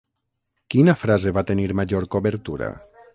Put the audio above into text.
Quina frase va tenir major cobertura?